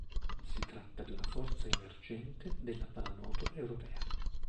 Si tratta di una forza emergente della pallanuoto europea.